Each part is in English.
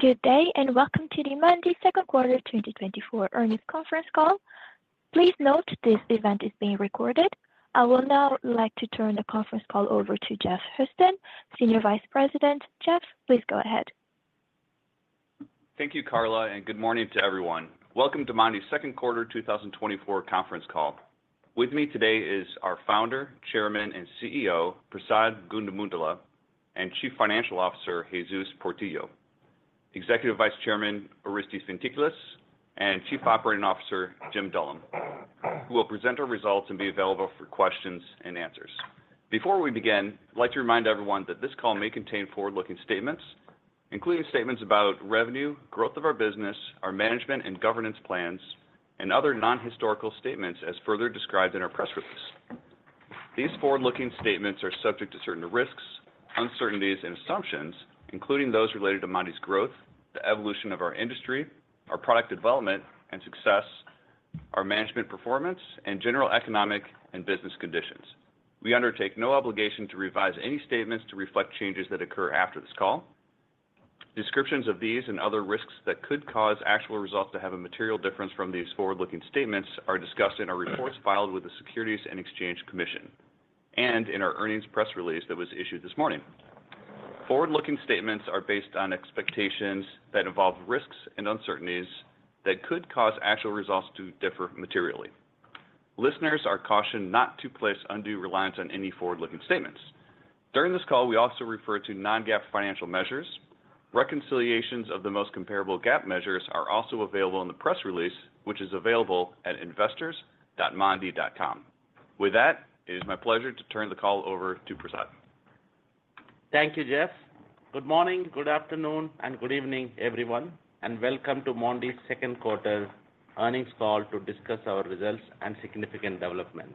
Good day, and welcome to the Mondee second quarter 2024 earnings conference call. Please note this event is being recorded. I will now like to turn the conference call over to Jeff Houston, Senior Vice President. Jeff, please go ahead. Thank you Carla, and good morning to everyone. Welcome to Mondee's second quarter 2024 conference call. With me today is our Founder, Chairman, and CEO, Prasad Gundumogula, and Chief Financial Officer, Jesus Portillo, Executive Vice Chairman, Orestes Fintiklis, and Chief Operating Officer, Jim Dallum, who will present our results and be available for questions and answers. Before we begin, I'd like to remind everyone that this call may contain forward-looking statements, including statements about revenue, growth of our business, our management and governance plans, and other non-historical statements, as further described in our press release. These forward-looking statements are subject to certain risks, uncertainties and assumptions, including those related to Mondee's growth, the evolution of our industry, our product development and success, our management performance, and general economic and business conditions. We undertake no obligation to revise any statements to reflect changes that occur after this call. Descriptions of these and other risks that could cause actual results to have a material difference from these forward-looking statements are discussed in our reports filed with the Securities and Exchange Commission, and in our earnings press release that was issued this morning. Forward-looking statements are based on expectations that involve risks and uncertainties that could cause actual results to differ materially. Listeners are cautioned not to place undue reliance on any forward-looking statements. During this call, we also refer to non-GAAP financial measures. Reconciliations of the most comparable GAAP measures are also available in the press release, which is available at investors.mondee.com. With that, it is my pleasure to turn the call over to Prasad. Thank you, Jeff. Good morning, good afternoon, and good evening, everyone, and welcome to Mondee's second quarter earnings call to discuss our results and significant developments.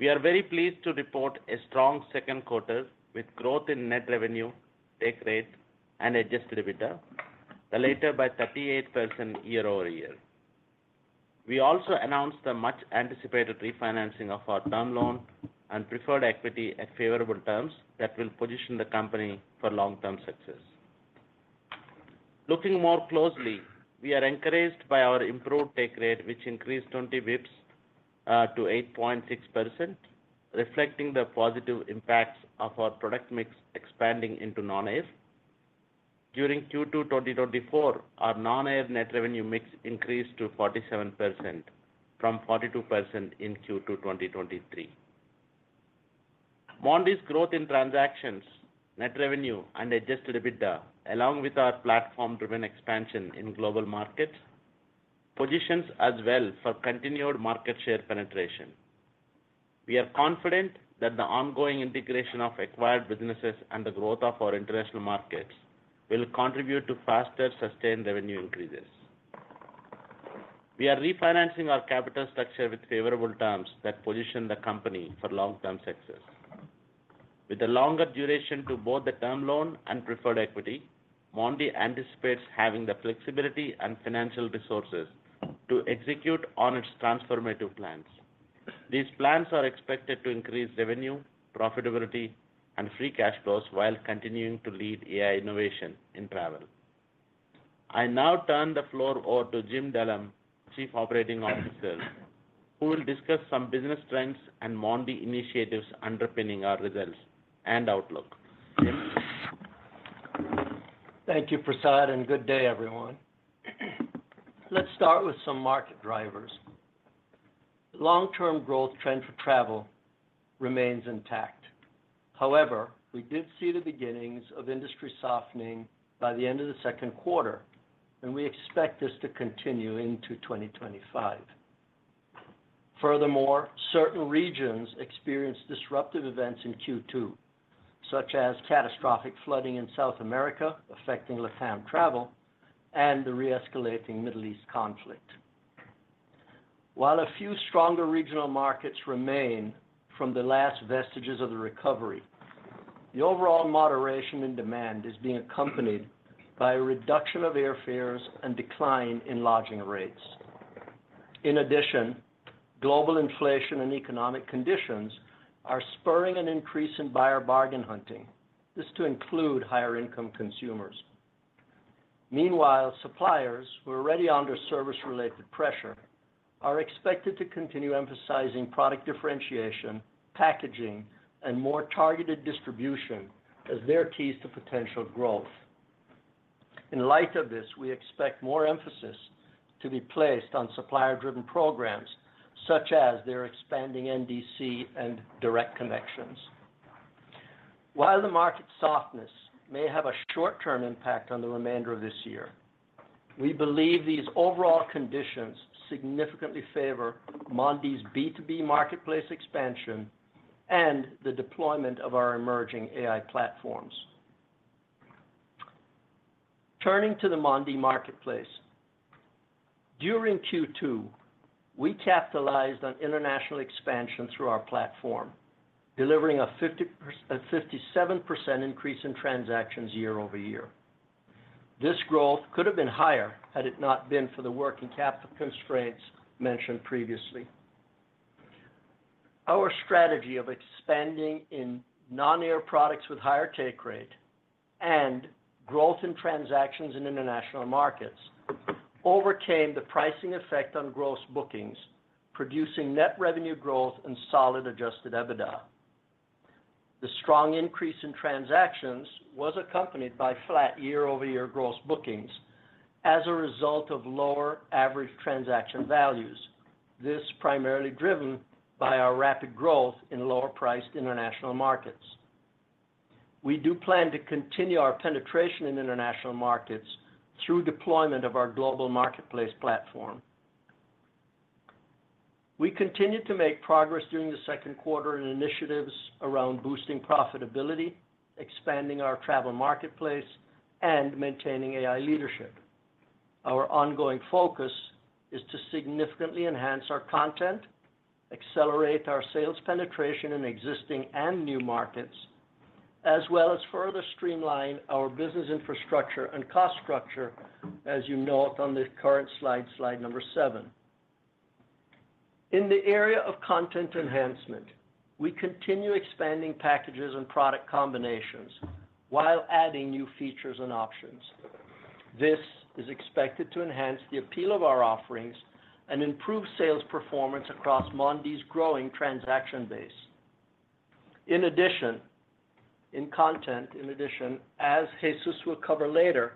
We are very pleased to report a strong second quarter with growth in net revenue, take rate, and Adjusted EBITDA, the latter by 38% year-over-year. We also announced a much-anticipated refinancing of our term loan and preferred equity at favorable terms that will position the company for long-term success. Looking more closely, we are encouraged by our improved take rate, which increased twenty basis points to 8.6%, reflecting the positive impacts of our product mix expanding into non-air. During Q2 2024, our non-air net revenue mix increased to 47% from 42% in Q2 2023. Mondee's growth in transactions, net revenue and Adjusted EBITDA, along with our platform-driven expansion in global markets, positions us well for continued market share penetration. We are confident that the ongoing integration of acquired businesses and the growth of our international markets will contribute to faster, sustained revenue increases. We are refinancing our capital structure with favorable terms that position the company for long-term success. With a longer duration to both the term loan and preferred equity, Mondee anticipates having the flexibility and financial resources to execute on its transformative plans. These plans are expected to increase revenue, profitability, and free cash flows while continuing to lead AI innovation in travel. I now turn the floor over to Jim Dullum, Chief Operating Officer, who will discuss some business trends and Mondee initiatives underpinning our results and outlook. Jim? Thank you, Prasad, and good day, everyone. Let's start with some market drivers. Long-term growth trend for travel remains intact. However, we did see the beginnings of industry softening by the end of the second quarter, and we expect this to continue into 2025. Furthermore, certain regions experienced disruptive events in Q2, such as catastrophic flooding in South America, affecting LATAM travel and the re-escalating Middle East conflict. While a few stronger regional markets remain from the last vestiges of the recovery, the overall moderation in demand is being accompanied by a reduction of airfares and decline in lodging rates. In addition, global inflation and economic conditions are spurring an increase in buyer bargain hunting. This to include higher income consumers. Meanwhile, suppliers who are already under service-related pressure, are expected to continue emphasizing product differentiation, packaging, and more targeted distribution as their keys to potential growth. In light of this, we expect more emphasis to be placed on supplier-driven programs, such as their expanding NDC and direct connections. While the market softness may have a short-term impact on the remainder of this year, we believe these overall conditions significantly favor Mondee's B2B marketplace expansion and the deployment of our emerging AI platforms. Turning to the Mondee marketplace. During Q2, we capitalized on international expansion through our platform, delivering a 57% increase in transactions year-over-year. This growth could have been higher had it not been for the working capital constraints mentioned previously. Our strategy of expanding in non-air products with higher take rate and growth in transactions in international markets overcame the pricing effect on gross bookings, producing net revenue growth and solid Adjusted EBITDA. The strong increase in transactions was accompanied by flat year-over-year gross bookings as a result of lower average transaction values. This primarily driven by our rapid growth in lower-priced international markets. We do plan to continue our penetration in international markets through deployment of our global marketplace platform. We continued to make progress during the second quarter in initiatives around boosting profitability, expanding our travel marketplace, and maintaining AI leadership. Our ongoing focus is to significantly enhance our content, accelerate our sales penetration in existing and new markets, as well as further streamline our business infrastructure and cost structure, as you note on the current slide, slide number seven. In the area of content enhancement, we continue expanding packages and product combinations while adding new features and options. This is expected to enhance the appeal of our offerings and improve sales performance across Mondee's growing transaction base. In addition, as Jesus will cover later,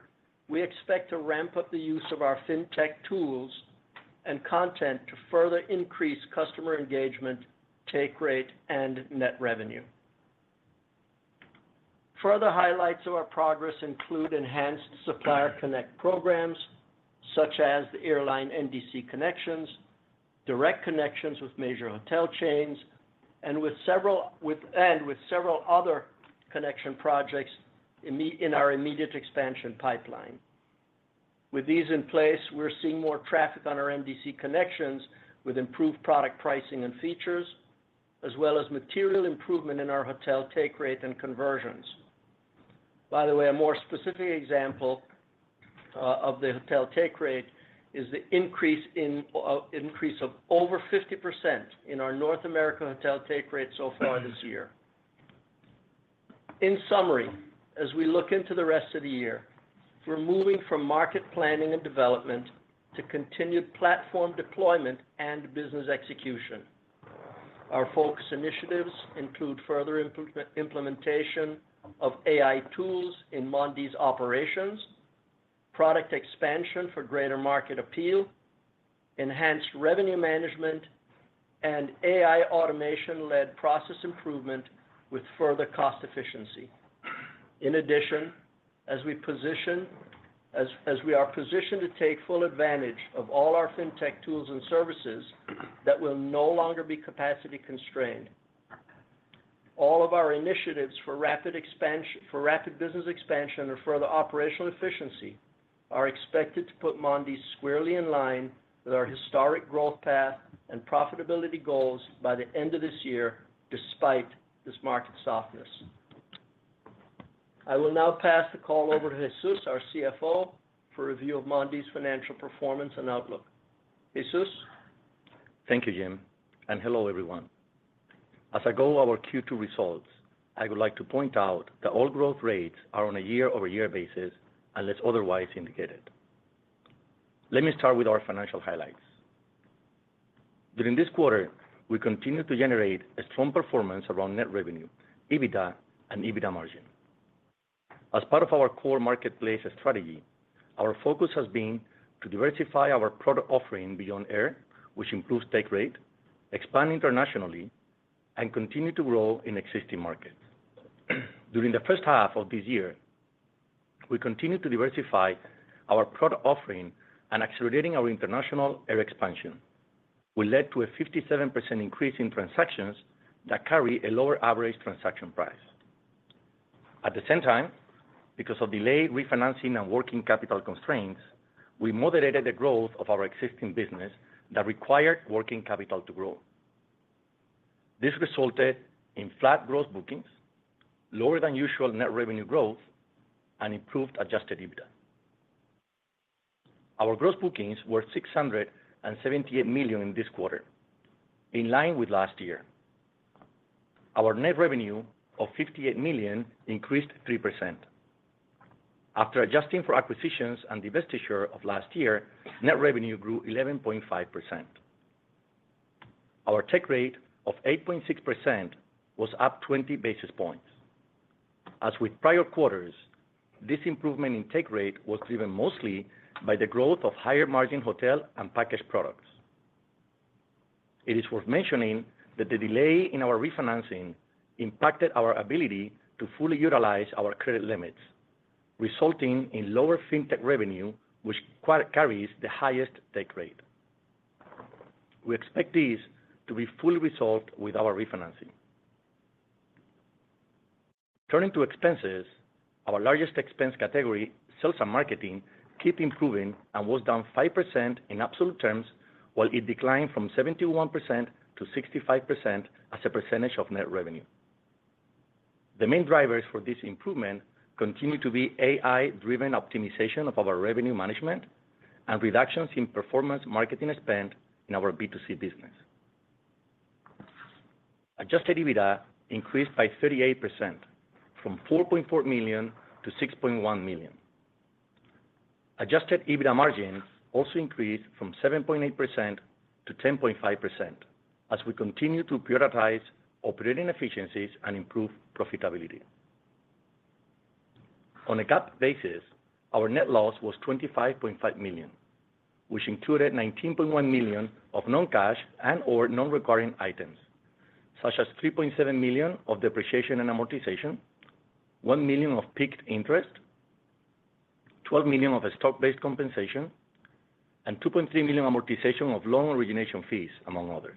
we expect to ramp up the use of our fintech tools and content to further increase customer engagement, take rate, and net revenue. Further highlights of our progress include enhanced supplier connect programs, such as the airline NDC connections, direct connections with major hotel chains, and with several other connection projects in our immediate expansion pipeline. With these in place, we're seeing more traffic on our NDC connections with improved product pricing and features, as well as material improvement in our hotel take rate and conversions. By the way, a more specific example of the hotel take rate is the increase of over 50% in our North America hotel take rate so far this year. In summary, as we look into the rest of the year, we're moving from market planning and development to continued platform deployment and business execution. Our focus initiatives include further implementation of AI tools in Mondee's operations, product expansion for greater market appeal, enhanced revenue management, and AI automation-led process improvement with further cost efficiency. In addition, as we are positioned to take full advantage of all our fintech tools and services that will no longer be capacity constrained, all of our initiatives for rapid business expansion and further operational efficiency are expected to put Mondee squarely in line with our historic growth path and profitability goals by the end of this year, despite this market softness. I will now pass the call over to Jesus, our CFO, for review of Mondee's financial performance and outlook. Jesus? Thank you Jim, and hello, everyone. As I go over our Q2 results, I would like to point out that all growth rates are on a year-over-year basis, unless otherwise indicated. Let me start with our financial highlights. During this quarter, we continued to generate a strong performance around net revenue, EBITDA, and EBITDA margin. As part of our core marketplace strategy, our focus has been to diversify our product offering beyond air, which improves take rate, expand internationally, and continue to grow in existing markets. During the first half of this year, we continued to diversify our product offering, and accelerating our international air expansion will lead to a 57% increase in transactions that carry a lower average transaction price. At the same time, because of delayed refinancing and working capital constraints, we moderated the growth of our existing business that required working capital to grow. This resulted in flat gross bookings, lower than usual net revenue growth, and improved Adjusted EBITDA. Our gross bookings were $678 million this quarter, in line with last year. Our net revenue of $58 million increased 3%. After adjusting for acquisitions and divestiture of last year, net revenue grew 11.5%. Our take rate of 8.6% was up 20 basis points. As with prior quarters, this improvement in take rate was driven mostly by the growth of higher-margin hotel and package products. It is worth mentioning that the delay in our refinancing impacted our ability to fully utilize our credit limits, resulting in lower fintech revenue, which carries the highest take rate. We expect this to be fully resolved with our refinancing. Turning to expenses, our largest expense category, sales and marketing, kept improving and was down 5% in absolute terms, while it declined from 71%-65% as a percentage of net revenue. The main drivers for this improvement continue to be AI-driven optimization of our revenue management and reductions in performance marketing spend in our B2C business. Adjusted EBITDA increased by 38%, from $4.4 million-$6.1 million. Adjusted EBITDA margins also increased from 7.8%-10.5%, as we continue to prioritize operating efficiencies and improve profitability. On a GAAP basis, our net loss was $25.5 million, which included $19.1 million of non-cash and or non-recurring items, such as $3.7 million of depreciation and amortization, $1 million of PIK interest, $12 million of stock-based compensation, and $2.3 million amortization of loan origination fees, among others.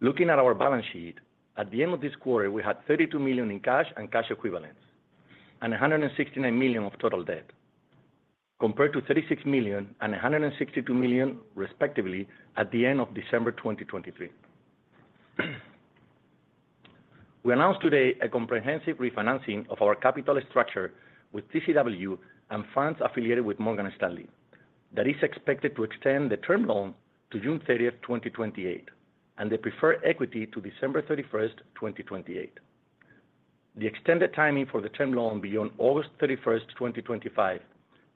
Looking at our balance sheet, at the end of this quarter, we had $32 million in cash and cash equivalents, and $169 million of total debt, compared to $36 million and $162 million, respectively, at the end of December 2023. We announced today a comprehensive refinancing of our capital structure with TCW and funds affiliated with Morgan Stanley, that is expected to extend the term loan to June 30, 2028, and the preferred equity to December 31, 2028. The extended timing for the term loan beyond August 31st, 2025,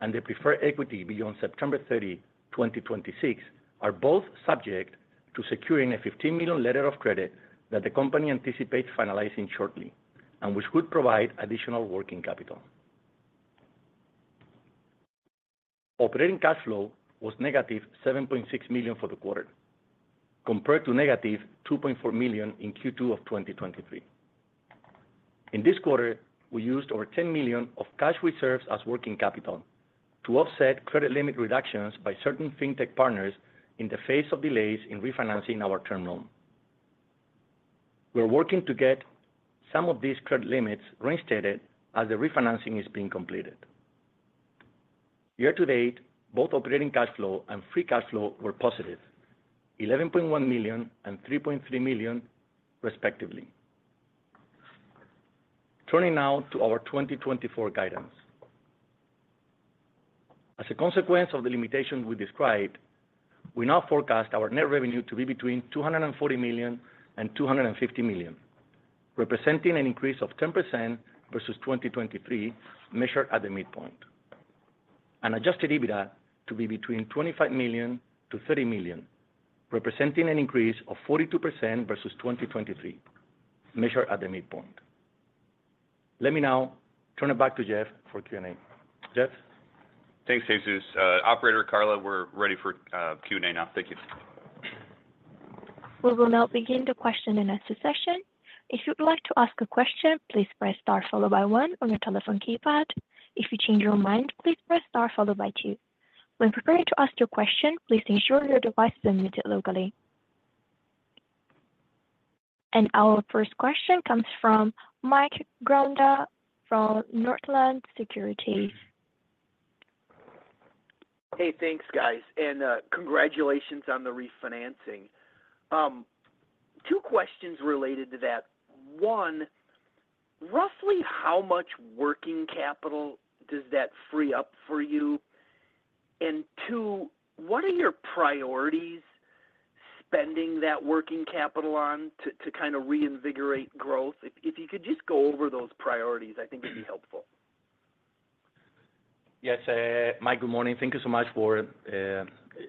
and the preferred equity beyond September 30, 2026, are both subject to securing a $15 million letter of credit that the company anticipates finalizing shortly, and which could provide additional working capital. Operating cash flow was -$7.6 million for the quarter, compared to -$2.4 million in Q2 of 2023. In this quarter, we used over $10 million of cash reserves as working capital to offset credit limit reductions by certain fintech partners in the face of delays in refinancing our term loan. We are working to get some of these credit limits reinstated as the refinancing is being completed. Year to date, both operating cash flow and free cash flow were positive $11.1 million and $3.3 million, respectively. Turning now to our 2024 guidance. As a consequence of the limitations we described, we now forecast our net revenue to be between $240 million and $250 million, representing an increase of 10% versus 2023, measured at the midpoint. Adjusted EBITDA to be between $25 million to $30 million, representing an increase of 42% versus 2023, measured at the midpoint. Let me now turn it back to Jeff for Q&A. Jeff? Thanks, Jesus. Operator Carla, we're ready for Q&A now. Thank you. We will now begin the question and answer session. If you'd like to ask a question, please press star followed by one on your telephone keypad. If you change your mind, please press star followed by two. When preparing to ask your question, please ensure your device is muted locally. Our first question comes from Mike Grondahl from Northland Securities. Hey, thanks, guys. Congratulations on the refinancing. Two questions related to that. One, roughly how much working capital does that free up for you? And two, what are your priorities spending that working capital on to kind of reinvigorate growth? If you could just go over those priorities, I think it'd be helpful. Yes, Mike, good morning. Thank you so much for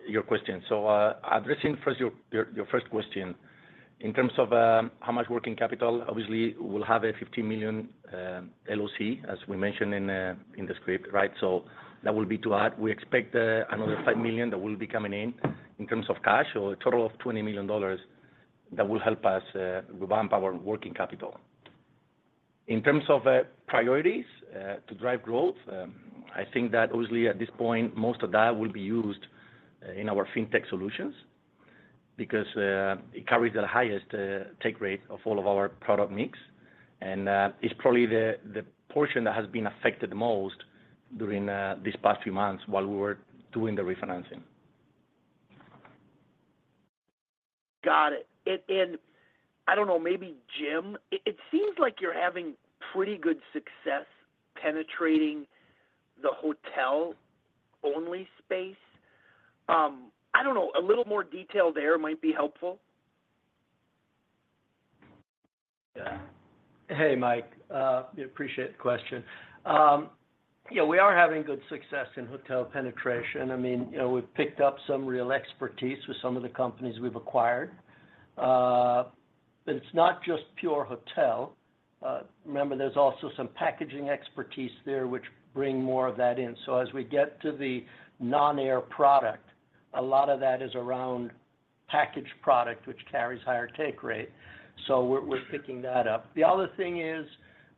your questions. So, addressing first your first question. In terms of how much working capital, obviously, we'll have a $15 million LOC, as we mentioned in the script, right? So that will be to add. We expect another $5 million that will be coming in, in terms of cash, so a total of $20 million that will help us revamp our working capital. In terms of priorities to drive growth, I think that obviously at this point, most of that will be used in our fintech solutions because it carries the highest take rate of all of our product mix, and it's probably the portion that has been affected the most during these past few months while we were doing the refinancing. Got it. And I don't know, maybe Jim, it seems like you're having pretty good success penetrating the hotel-only space. I don't know, a little more detail there might be helpful. Yeah. Hey, Mike, we appreciate the question. Yeah, we are having good success in hotel penetration. I mean, you know, we've picked up some real expertise with some of the companies we've acquired. But it's not just pure hotel. Remember, there's also some packaging expertise there which bring more of that in. So as we get to the non-air product, a lot of that is around packaged product, which carries higher take rate. So we're picking that up. The other thing is,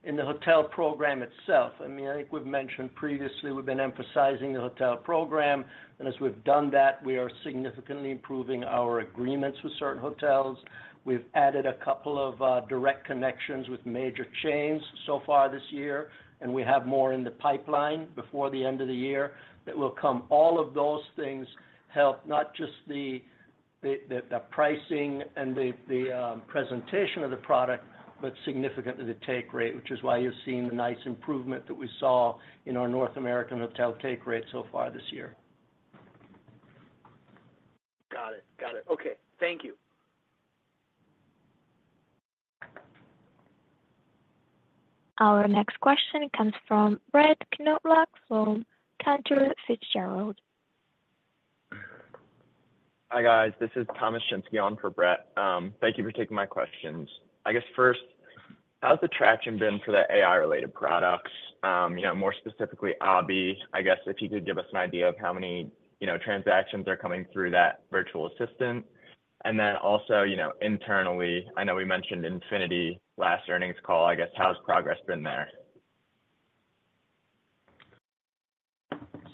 in the hotel program itself, I mean, I think we've mentioned previously, we've been emphasizing the hotel program, and as we've done that, we are significantly improving our agreements with certain hotels. We've added a couple of direct connections with major chains so far this year, and we have more in the pipeline before the end of the year that will come. All of those things help, not just the pricing and the presentation of the product, but significantly the Take Rate, which is why you're seeing the nice improvement that we saw in our North American hotel Take Rate so far this year. Got it. Got it. Okay, thank you. Our next question comes from Brett Knoblauch, from Cantor Fitzgerald. Hi, guys, this is Thomas Shinsky on for Brett. Thank you for taking my questions. I guess first, how's the traction been for the AI-related products? You know, more specifically, Abhi. I guess, if you could give us an idea of how many, you know, transactions are coming through that virtual assistant. And then also, you know, internally, I know we mentioned Infinity last earnings call. I guess, how's progress been there?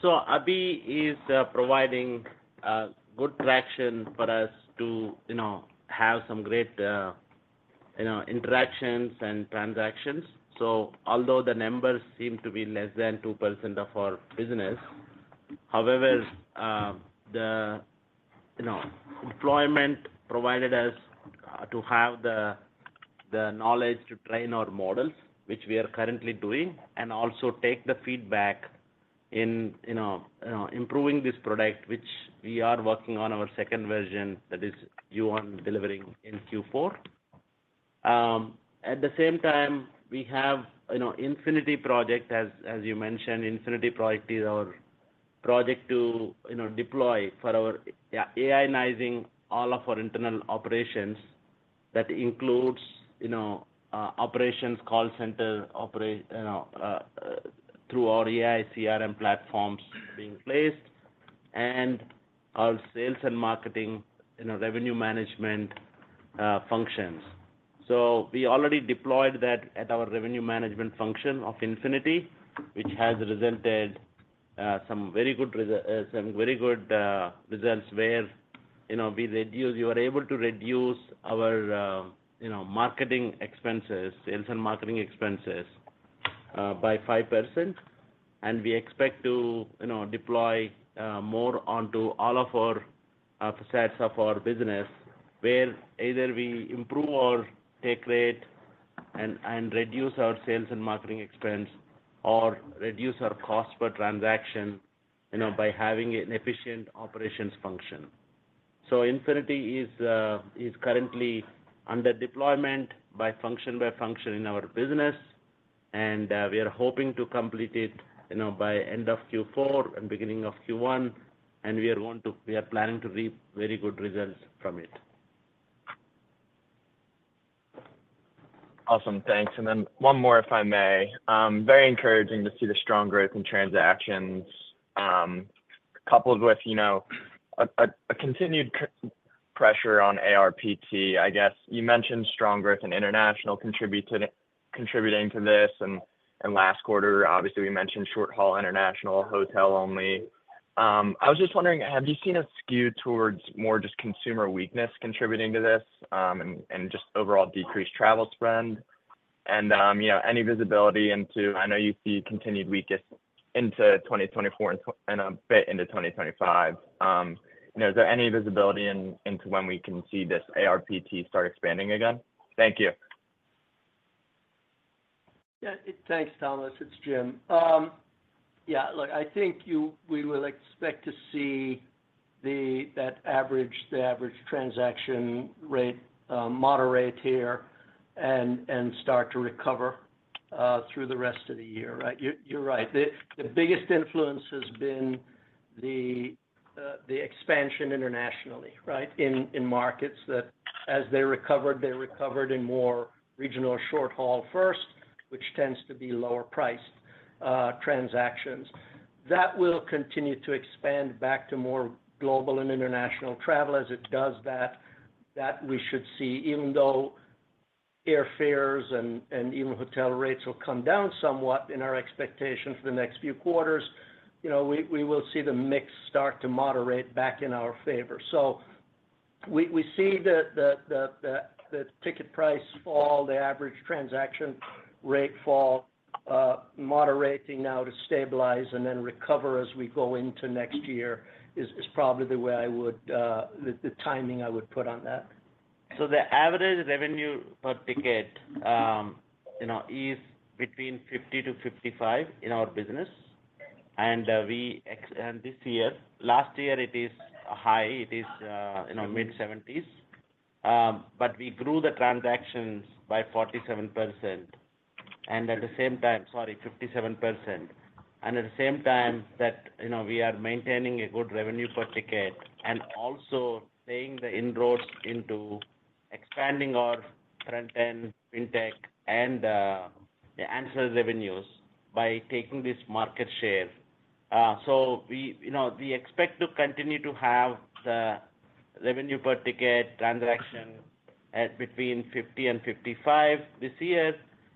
So Abhi is providing good traction for us to, you know, have some great, you know, interactions and transactions. So although the numbers seem to be less than 2% of our business, however, the, you know, deployment provided us to have the knowledge to train our models, which we are currently doing, and also take the feedback in, you know, improving this product, which we are working on our second version, that is due on delivering in Q4. At the same time, we have, you know, Infinity Project. As you mentioned, Infinity Project is our project to, you know, deploy for our AI-nizing all of our internal operations. That includes, you know, operations, call center, you know, through our AI, CRM platforms being placed, and our sales and marketing, you know, revenue management, functions. So we already deployed that at our revenue management function of Infinity, which has resulted some very good results, where, you know, we were able to reduce our, you know, marketing expenses, sales and marketing expenses, by 5%. And we expect to, you know, deploy more onto all of our facets of our business, where either we improve our take rate and, and reduce our sales and marketing expense, or reduce our cost per transaction, you know, by having an efficient operations function. So Infinity is currently under deployment by function by function in our business, and we are hoping to complete it, you know, by end of Q4 and beginning of Q1, and we are planning to reap very good results from it. Awesome. Thanks. And then one more, if I may. Very encouraging to see the strong growth in transactions, coupled with, you know, a continued pressure on ARPT. I guess, you mentioned strong growth in international contributing to this, and last quarter, obviously, we mentioned short-haul, international, hotel only. I was just wondering, have you seen a skew towards more just consumer weakness contributing to this, and just overall decreased travel spend? And, you know, any visibility into... I know you see continued weakness into 2024 and a bit into 2025. You know, is there any visibility into when we can see this ARPT start expanding again? Thank you. Yeah. Thanks, Thomas. It's Jim. Yeah, look, I think you- we will expect to see the average transaction rate moderate here and start to recover through the rest of the year, right? You're right. The biggest influence has been the expansion internationally, right? In markets that as they recovered, they recovered in more regional short-haul first, which tends to be lower priced transactions. That will continue to expand back to more global and international travel. As it does that, we should see, even though airfares and even hotel rates will come down somewhat in our expectation for the next few quarters, you know, we will see the mix start to moderate back in our favor. So we see the ticket price fall, the average transaction rate fall, moderating now to stabilize and then recover as we go into next year, is probably the way I would, the timing I would put on that. So the average revenue per ticket, you know, is between $50-$55 in our business. And last year, it is high, it is, you know, mid-$70s. But we grew the transactions by 47%, and at the same time. Sorry, 57%. And at the same time, that, you know, we are maintaining a good revenue per ticket and also paying the inroads into expanding our front-end fintech and the ancillary revenues by taking this market share. So we, you know, we expect to continue to have the revenue per ticket transaction at between $50 and $55 this year.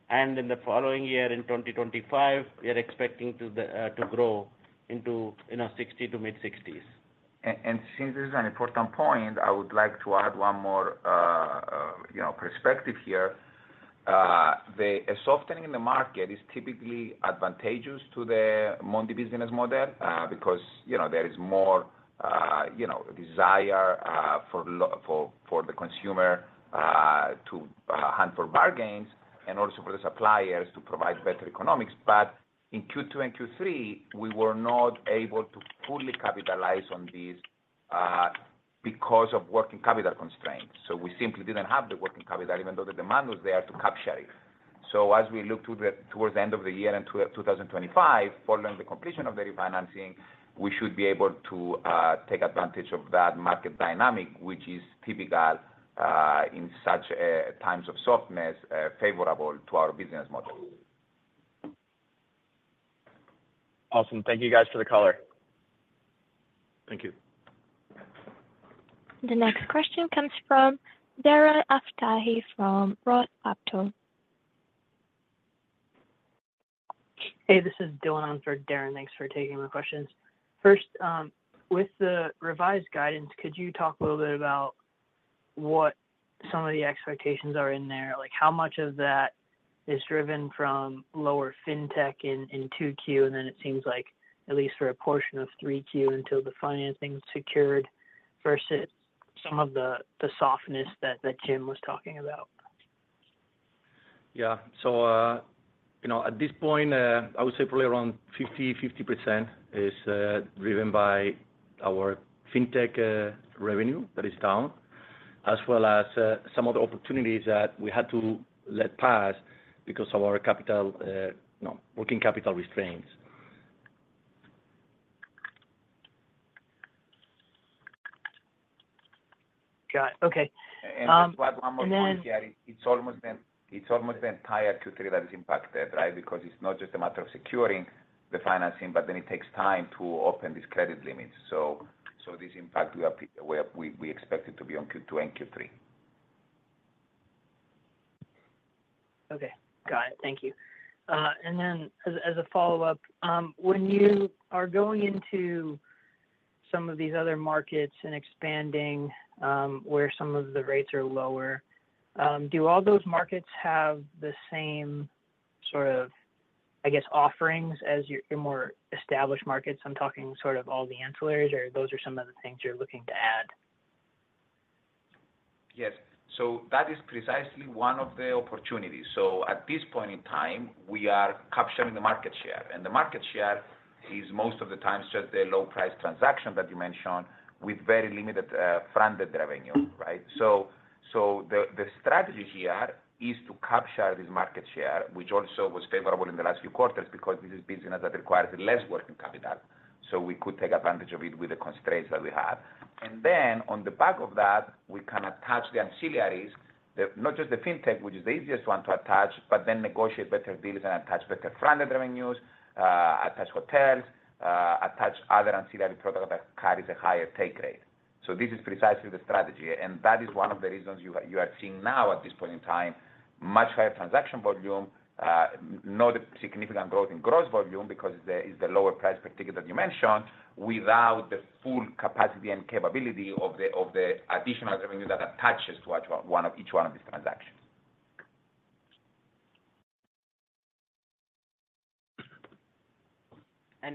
And in the following year, in 2025, we are expecting to the to grow into, you know, $60 to mid-$60s. Since this is an important point, I would like to add one more, you know, perspective here. A softening in the market is typically advantageous to the Mondee business model, because, you know, there is more, you know, desire for the consumer to hunt for bargains and also for the suppliers to provide better economics. But in Q2 and Q3, we were not able to fully capitalize on these because of working capital constraints. So we simply didn't have the working capital, even though the demand was there, to capture it. As we look towards the end of the year and to 2025, following the completion of the refinancing, we should be able to take advantage of that market dynamic, which is typical in such times of softness, favorable to our business model. Awesome. Thank you, guys, for the color. Thank you. The next question comes from Darren Aftahi from Roth Capital. Hey, this is Dylan in for Darren. Thanks for taking my questions. First, with the revised guidance, could you talk a little bit about what some of the expectations are in there? Like, how much of that is driven from lower Fintech in 2Q, and then it seems like at least for a portion of 3Q, until the financing is secured, versus some of the softness that Jim was talking about? Yeah. So, you know, at this point, I would say probably around 50/50% is driven by our Fintech revenue that is down, as well as some of the opportunities that we had to let pass because of our capital, no, working capital restraints. Got it. Okay, and then- Just to add one more point here. It's almost the entire Q3 that is impacted, right? Because it's not just a matter of securing the financing, but then it takes time to open these credit limits. So this impact we expect it to be on Q2 and Q3. Okay. Got it. Thank you. And then as a follow-up, when you are going into some of these other markets and expanding, where some of the rates are lower, do all those markets have the same sort of, I guess, offerings as your more established markets? I'm talking sort of all the ancillaries, or those are some of the things you're looking to add. Yes. So that is precisely one of the opportunities. So at this point in time, we are capturing the market share, and the market share is most of the time just a low-price transaction that you mentioned with very limited, front-end revenue, right? So, so the, the strategy here is to capture this market share, which also was favorable in the last few quarters because this is business that requires less working capital. So we could take advantage of it with the constraints that we have. And then on the back of that, we can attach the ancillaries, the... Not just the Fintech, which is the easiest one to attach, but then negotiate better deals and attach better front-end revenues, attach hotels, attach other ancillary products that carries a higher take rate. This is precisely the strategy, and that is one of the reasons you are seeing now at this point in time much higher transaction volume, not a significant growth in gross volume because it's the lower price per ticket that you mentioned, without the full capacity and capability of the additional revenue that attaches to each one of these transactions.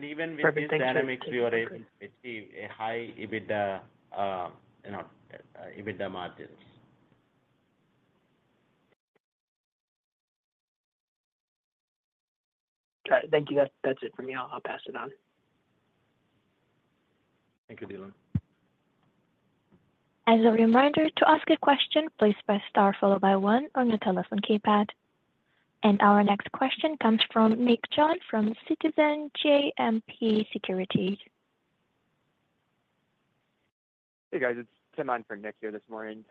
Even with these dynamics, we are able to achieve a high EBITDA, you know, EBITDA margins. Got it. Thank you. That's it for me. I'll pass it on. Thank you, Dylan. As a reminder, to ask a question, please press star followed by one on your telephone keypad. Our next question comes from Nicholas Jones from Citizens JMP Securities. Hey, guys, it's Tim in for Nick here this morning.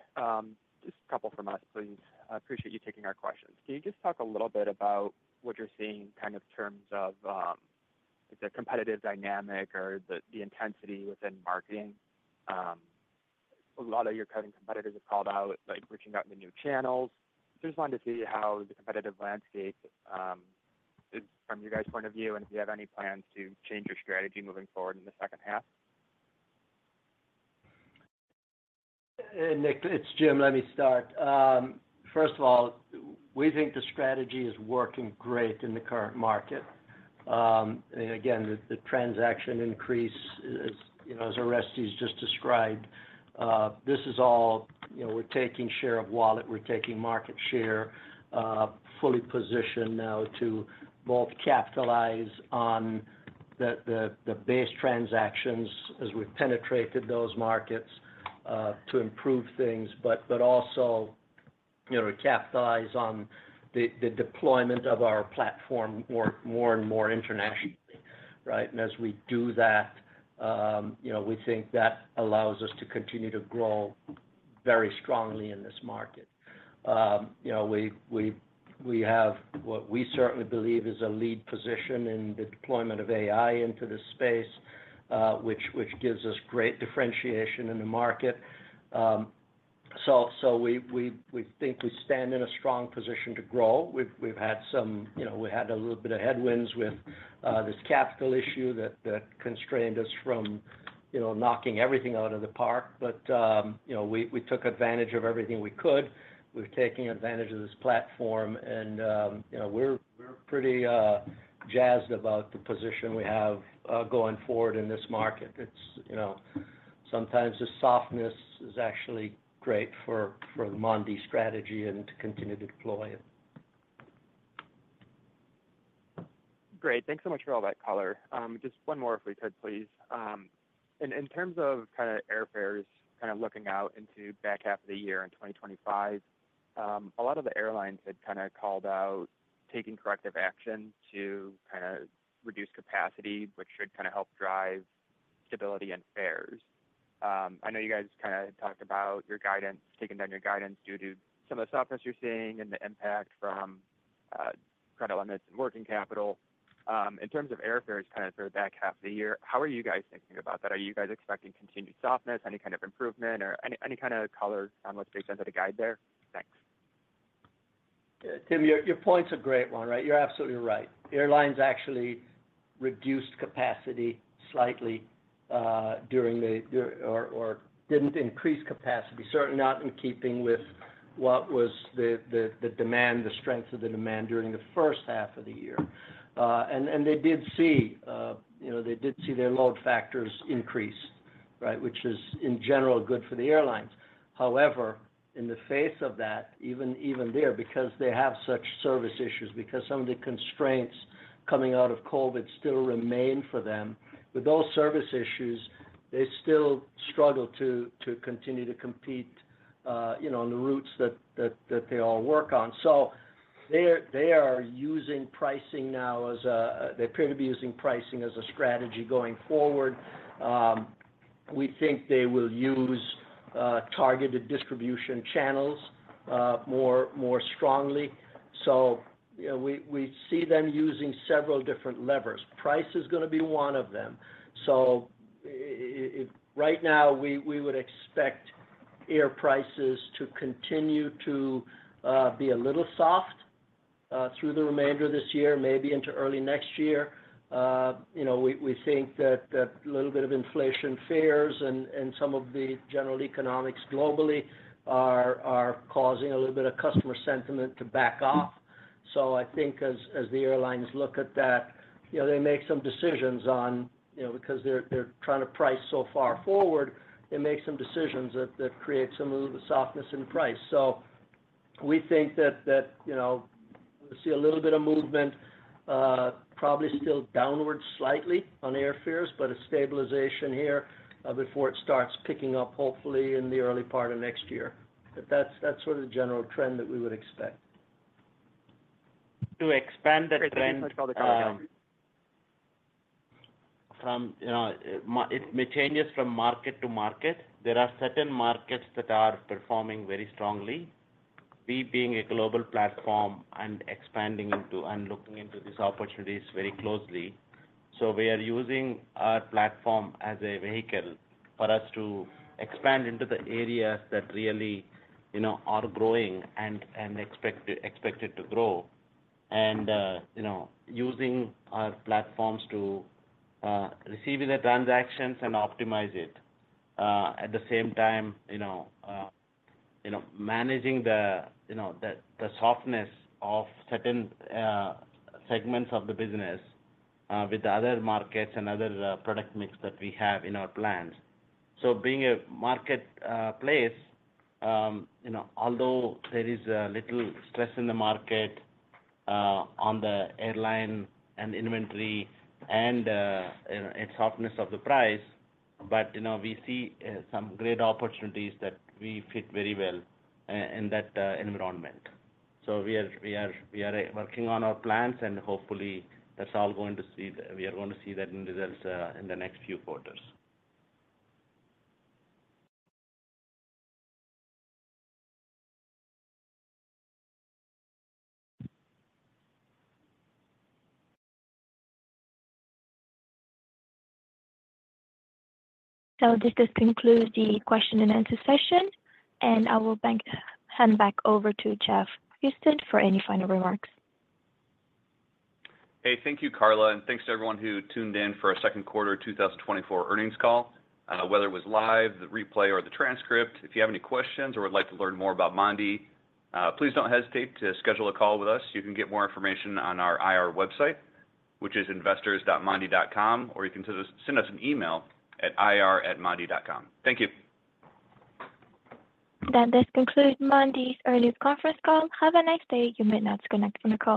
Just a couple from us, please. I appreciate you taking our questions. Can you just talk a little bit about what you're seeing in kind of terms of the competitive dynamic or the intensity within marketing? A lot of your key competitors have called out, like, reaching out to new channels. Just wanted to see how the competitive landscape is from you guys' point of view, and if you have any plans to change your strategy moving forward in the second half. Nick, it's Jim, let me start. First of all, we think the strategy is working great in the current market. And again, the transaction increase is, you know, as Orestes just described, this is all, you know, we're taking share of wallet, we're taking market share, fully positioned now to both capitalize on the base transactions as we've penetrated those markets, to improve things, but also, you know, to capitalize on the deployment of our platform more and more internationally, right? And as we do that, you know, we think that allows us to continue to grow very strongly in this market. You know, we have what we certainly believe is a lead position in the deployment of AI into this space, which gives us great differentiation in the market. So, we think we stand in a strong position to grow. We've had some, you know, we had a little bit of headwinds with this capital issue that constrained us from, you know, knocking everything out of the park. But, you know, we took advantage of everything we could. We're taking advantage of this platform and, you know, we're pretty jazzed about the position we have going forward in this market. It's, you know, sometimes the softness is actually great for the Mondee strategy and to continue to deploy it. Great. Thanks so much for all that color. Just one more if we could please. In terms of kind of airfares, kind of looking out into back half of the year in 2025, a lot of the airlines had kinda called out taking corrective action to kinda reduce capacity, which should kinda help drive stability and fares. I know you guys kinda talked about your guidance, taking down your guidance due to some of the softness you're seeing and the impact from credit limits and working capital. In terms of airfares, kinda for the back half of the year, how are you guys thinking about that? Are you guys expecting continued softness, any kind of improvement, or any kind of color on what's based out of the guide there? Thanks. Yeah, Tim, your point's a great one, right? You're absolutely right. Airlines actually reduced capacity slightly during or didn't increase capacity, certainly not in keeping with what was the demand, the strength of the demand during the first half of the year. And they did see, you know, they did see their load factors increase, right? Which is, in general, good for the airlines. However, in the face of that, even there, because they have such service issues, because some of the constraints coming out of COVID still remain for them. With those service issues, they still struggle to continue to compete, you know, on the routes that they all work on. So they are using pricing now as a strategy going forward. We think they will use targeted distribution channels more strongly. So, you know, we see them using several different levers. Price is gonna be one of them. So if right now, we would expect air prices to continue to be a little soft through the remainder of this year, maybe into early next year. You know, we think that little bit of inflation fares and some of the general economics globally are causing a little bit of customer sentiment to back off. So I think as the airlines look at that, you know, they make some decisions on, you know, because they're trying to price so far forward, they make some decisions that create some little softness in price. So we think that, you know, we'll see a little bit of movement, probably still downward slightly on airfares, but a stabilization here, before it starts picking up, hopefully, in the early part of next year. But that's sort of the general trend that we would expect. To expand that trend, Great. Thanks so much for the color. From, you know, it changes from market to market. There are certain markets that are performing very strongly. We, being a global platform and expanding into and looking into these opportunities very closely. So we are using our platform as a vehicle for us to expand into the areas that really, you know, are growing and expected to grow. And, you know, using our platforms to receive the transactions and optimize it. At the same time, you know, managing the, you know, softness of certain segments of the business with the other markets and other product mix that we have in our plans. So being a marketplace, you know, although there is a little stress in the market on the airline and inventory and, you know, and softness of the price, but, you know, we see some great opportunities that we fit very well in that environment. So we are working on our plans, and hopefully we are going to see that in results in the next few quarters. So this concludes the question and answer session, and I will hand back over to Jeff Houston for any final remarks. Hey, thank you, Carla, and thanks to everyone who tuned in for our second quarter 2024 earnings call. Whether it was live, the replay, or the transcript, if you have any questions or would like to learn more about Mondee, please don't hesitate to schedule a call with us. You can get more information on our IR website, which is investors.mondee.com, or you can send us an email at ir@mondee.com. Thank you. This concludes Mondee's earnings conference call. Have a nice day. You may now disconnect from the call.